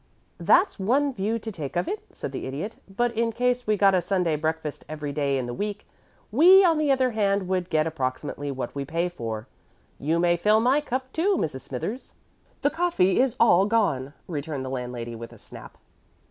"That's one view to take of it," said the Idiot. "But in case we got a Sunday breakfast every day in the week, we, on the other hand, would get approximately what we pay for. You may fill my cup too, Mrs. Smithers." "The coffee is all gone," returned the landlady, with a snap.